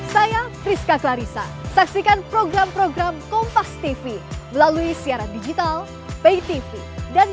saya priska clarissa saksikan program program kompas tv melalui siaran digital pay tv dan